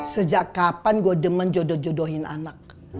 sejak kapan gue demen jodoh jodohin anak